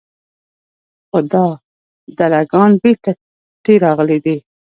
خو دا دله ګان بېرته تې راغلي دي.